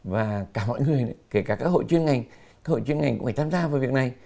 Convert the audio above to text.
và cả mọi người kể cả các hội chuyên ngành các hội chuyên ngành cũng phải tham gia vào việc này